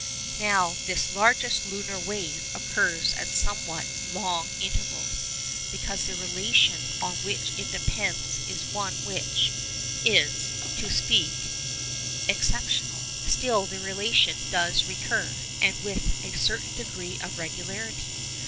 Now this 'largest lunar wave' occurs at somewhat long intervals, because the relation on which it depends is one which is, so to speak, exceptional. Still the relation does recur, and with a certain degree of regularity.